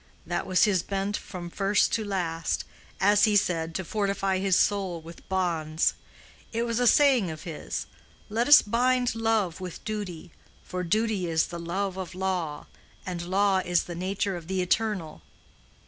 That was his bent from first to last—as he said, to fortify his soul with bonds. It was a saying of his, 'Let us bind love with duty; for duty is the love of law; and law is the nature of the Eternal.